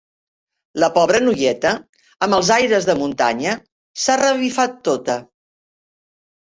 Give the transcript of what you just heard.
La pobra noieta, amb els aires de muntanya, s'ha revifat tota.